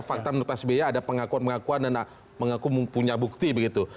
fakta menurut pak s b ya ada pengakuan pengakuan dan mengaku punya bukti begitu